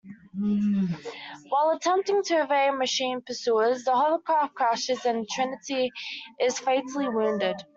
While attempting to evade Machine pursuers, their hovercraft crashes, and Trinity is fatally wounded.